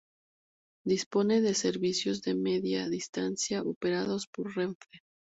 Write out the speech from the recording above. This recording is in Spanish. Dispone de servicios de Media Distancia operados por Renfe.